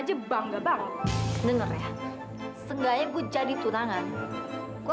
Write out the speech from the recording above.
undangan pertunangan ya